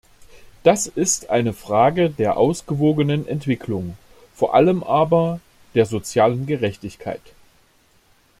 Das ist eine Frage der ausgewogenen Entwicklung, vor allem aber der sozialen Gerechtigkeit.